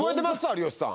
有吉さん